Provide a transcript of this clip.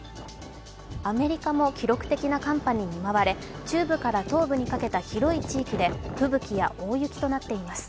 アメリカも記録的な寒波に見舞われ中部から東部にかけた広い地域で吹雪や大雪となっています。